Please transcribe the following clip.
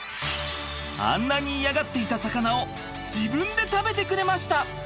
あんなに嫌がっていた魚を自分で食べてくれました。